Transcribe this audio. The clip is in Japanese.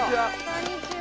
こんにちは。